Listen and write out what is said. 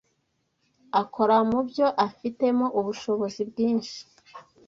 akora mu byo afitemo ubushobozi bwinshi